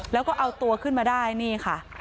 แล้วก็เอาตัวขึ้นมาได้นี่ค่ะ